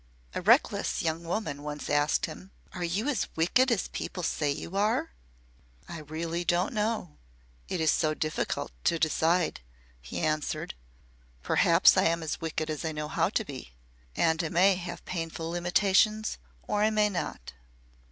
A reckless young woman once asked him: "Are you as wicked as people say you are?" "I really don't know. It is so difficult to decide," he answered. "Perhaps I am as wicked as I know how to be. And I may have painful limitations or I may not."